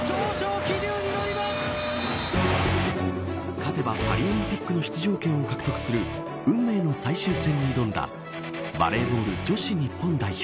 勝てばパリオリンピックの出場権を獲得する運命の最終戦に挑んだバレーボール女子日本代表。